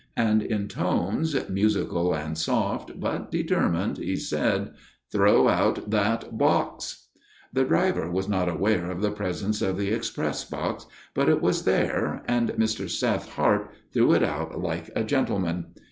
And in tones, musical and soft but determined, he said: "Throw out that box!" The driver was not aware of the presence of the express box, but it was there and Mr. Seth Hart threw it out like a gentleman.